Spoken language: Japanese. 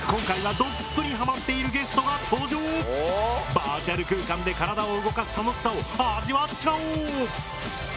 バーチャル空間で体を動かす楽しさを味わっちゃおう！